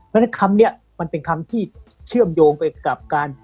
แล้วคำนี้มันเป็นคำที่เชื่อมโยงไปกับการ